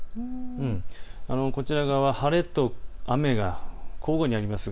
こちら側は晴れと雨が交互にあります。